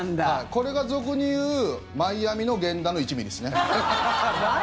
これが俗にいうマイアミの源田の１ｍｍですね。